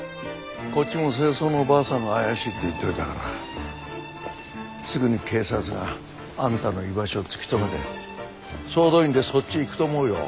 こっちも清掃のばあさんが怪しいって言っといたからすぐに警察があんたの居場所を突き止めて総動員でそっち行くと思うよ。